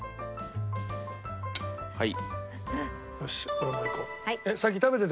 はい。